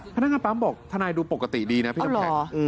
พนักงานปั๊มบอกทนายดูปกติดีนะพี่น้ำแข็ง